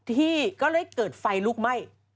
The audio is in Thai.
ที่ก็เลยเกิดไฟลุกไหม้